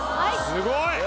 すごい！